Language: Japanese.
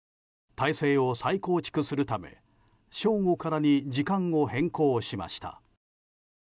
体制を再構築するため正午からに時間を変更しました。